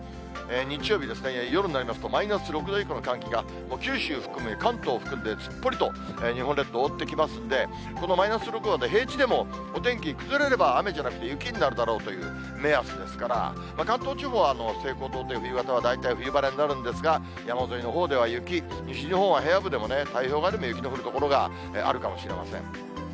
日曜日ですね、夜になりますとマイナス６度以下の寒気が九州含んで、関東含んで、すっぽり日本列島覆ってきますので、このマイナス６度って、平地でもお天気崩れれば週末、雪になるだろうという目安ですから、関東地方は西高東低、冬型は大体冬晴れになるんですが、山沿いのほうでは雪、西日本は平野部でも太平洋側でも、雪の降る所があるかもしれません。